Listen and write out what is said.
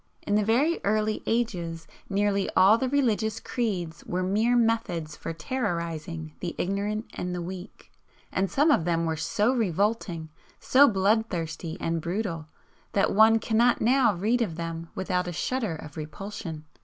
In the very early ages nearly all the religious creeds were mere methods for terrorising the ignorant and the weak and some of them were so revolting, so bloodthirsty and brutal, that one cannot now read of them without a shudder of repulsion.